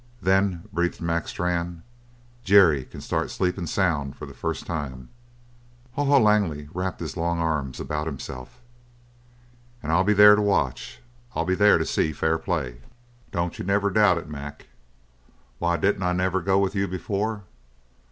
"Then!" breathed Mac Strann, "Jerry can start sleepin' sound for the first time!" Haw Haw Langley wrapped his long arms about himself. "An' I'll be there to watch. I'll be there to see fair play, don't you never doubt it, Mac. Why didn't I never go with you before?